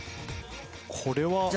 これは。